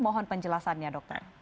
mohon penjelasannya dokter